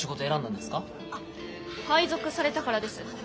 配属されたからです。